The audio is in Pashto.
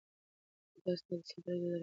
ایا تاسې ته د سفر اجازه درکړل شوه؟